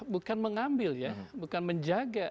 bukan mengambil ya bukan menjaga